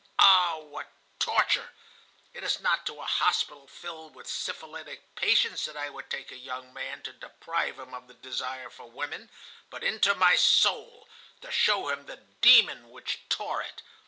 Ah, what torture! It is not to a hospital filled with syphilitic patients that I would take a young man to deprive him of the desire for women, but into my soul, to show him the demon which tore it.